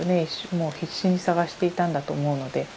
もう必死に探していたんだと思うので。